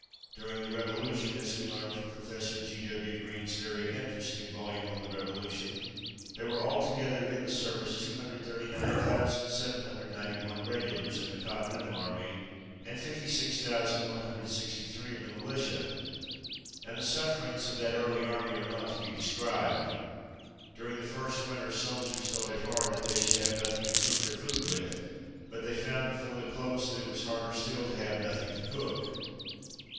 During the Revolution (as we learn from Professor G. W. Greene's very interesting volume on the Revolution), there were altogether in the service 239,791 regulars in the Continental army and 56,163 of the militia, and the sufferings of that early army are not to be described. "During the first winter soldiers thought it hard that they should have nothing to cook their food with; but they found, before the close, that it was harder still to have nothing to cook."